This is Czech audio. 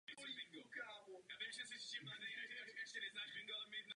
Celý areál je chráněnou kulturní památkou České republiky.